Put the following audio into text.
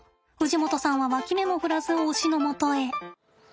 氏夲さんは脇目も振らず推しのもとへ。